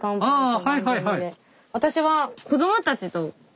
あはいはいはい！